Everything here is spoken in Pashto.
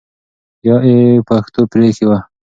یا ئی پښتو پرېښې وي